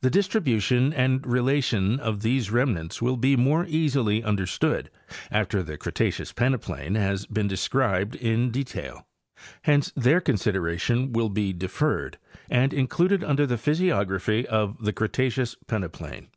The distribution and relations of these remnants will be more easily understood after the Cretaceous peneplain has been described in detail ; hence their consideration will be deferred and included under the physiography of the Cretaceous peneplain.